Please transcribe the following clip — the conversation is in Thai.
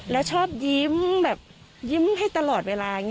แล้วชอบยิ้มยิ้มให้ตลอดเวลา